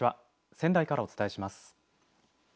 仙台からお伝えします。